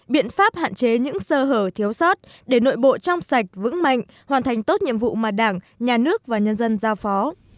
biện pháp hạn chế những sơ hở thiếu sót để nội bộ trong sạch vững mạnh hoàn thành tốt nhiệm vụ mà đảng nhà nước và nhân dân giao phó